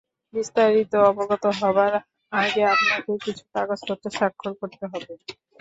বিস্তারিত অবগত হবার আগে আপনাকে কিছু কাগজপত্রে স্বাক্ষর করতে হবে।